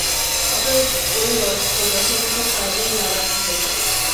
অতএব ঐ অর্থ যথাযথ কাজেই লাগান হয়েছে।